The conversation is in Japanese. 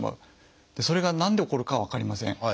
それが何で起こるかは分かりません。